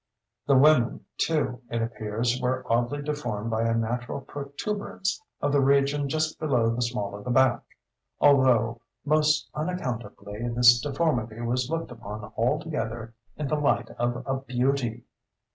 The women, too, it appears, were oddly deformed by a natural protuberance of the region just below the small of the back—although, most unaccountably, this deformity was looked upon altogether in the light of a beauty.